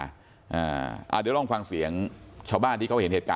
ทำได้เพียงแค่ไปกันเด็กออกมา